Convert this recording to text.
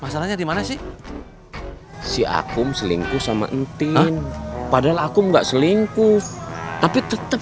masalahnya dimana sih si aku selingkuh sama enti padahal aku enggak selingkuh tapi tetap